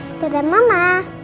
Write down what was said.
udah dan mama